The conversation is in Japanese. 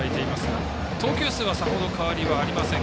投球数はさほど変わりはありません。